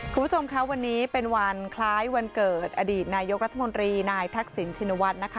คุณผู้ชมคะวันนี้เป็นวันคล้ายวันเกิดอดีตนายกรัฐมนตรีนายทักษิณชินวัฒน์นะคะ